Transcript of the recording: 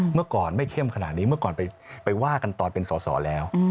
เมื่อก่อนไม่เข้มขนาดนี้เมื่อก่อนไปว่ากันตอนเป็นสอสอแล้ว